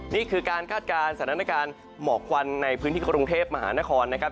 นี่คือการคาดการณ์สถานการณ์หมอกควันในพื้นที่กรุงเทพมหานครนะครับ